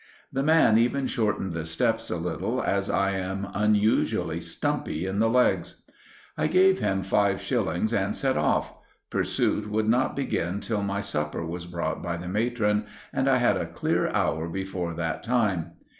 The man even shortened the steps a little as I am unusually stumpy in the legs. I gave him five shillings and set off. Pursuit would not begin till my supper was brought by the matron, and I had a clear hour before that time.